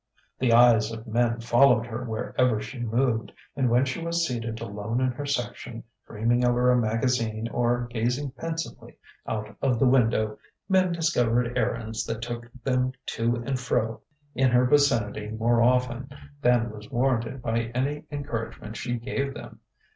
The eyes of men followed her wherever she moved, and when she was seated alone in her section, dreaming over a magazine or gazing pensively out of the window, men discovered errands that took them to and fro in her vicinity more often than was warranted by any encouragement she gave them.